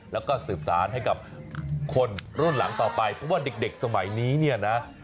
แล้วก็สืบสารให้กับคนรุ่นหลังต่อไปเพราะว่าเด็กสมัยนี้เนี่ยนะ